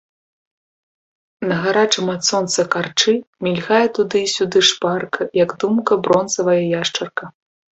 На гарачым ад сонца карчы мільгае туды і сюды шпарка, як думка, бронзавая яшчарка.